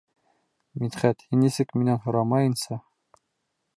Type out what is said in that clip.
Мидхәт, һин нисек минән һорамайынса...